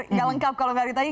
enggak lengkap kalau gak ditanya